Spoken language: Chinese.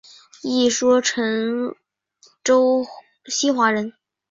一说陈州西华人。